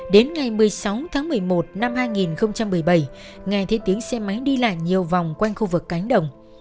đến ngày một mươi sáu tháng một mươi một năm hai nghìn một mươi bảy ngài thấy tiếng xe máy đi lại nhiều vòng quanh khu vực cánh đồng